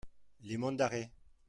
Les Monts d'Arrée.